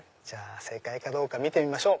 正解かどうか見てみましょう。